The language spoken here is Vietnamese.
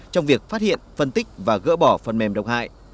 trong việc phát hiện phân tích và gỡ bỏ phần mềm độc hại